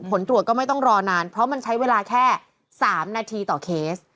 ผลตรวจก็ไม่ต้องรอนานเพราะมันใช้เวลาแค่๓นาทีต่อเคส